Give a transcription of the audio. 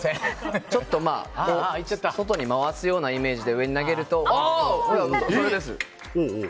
外に回すようなイメージで上に投げると。